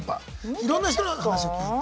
いろんな人の話を聞いて。